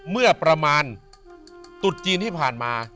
เมื่อประมาณตุดจีนที่ผ่านมา